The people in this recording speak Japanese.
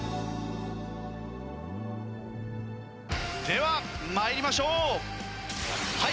では参りましょう。